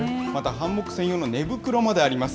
ハンモック専用の寝袋まであります。